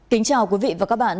kính chào quý vị và các bạn